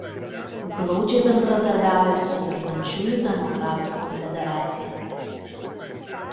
Glaudžiai bendradarbiauja su Dirbančiųjų demokratų konfederacija.